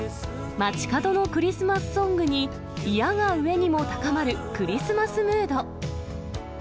街角のクリスマスソングに、いやが上にも高まるクリスマスムード。